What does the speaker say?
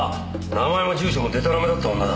名前も住所もデタラメだった女だ。